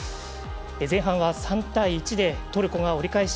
前半は３対１でトルコが折り返し。